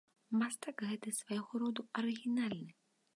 Мастак гэты свайго роду арыгінальны.